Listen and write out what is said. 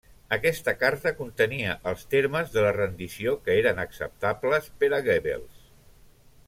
Aquesta carta contenia els termes de la rendició que eren acceptables per a Goebbels.